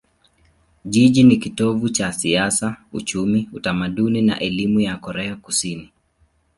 Jiji ni kitovu cha siasa, uchumi, utamaduni na elimu ya Korea Kusini.